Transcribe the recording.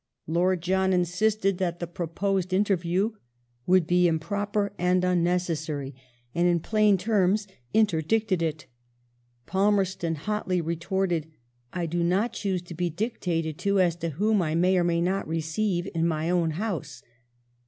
Lord John insisted that the proposed inter view would be "improper and unnecessary," and in plain terms interdicted it. Palmerston hotly retorted :" I do not choose to be dictated to as to whom I may or may not receive in my own house